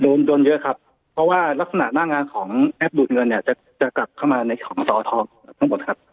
โดนโดนเยอะครับเพราะว่ารักษณะหน้างานของแอปดูดเงินเนี่ยจะจะกลับเข้ามาในของสอทองทั้งหมดครับ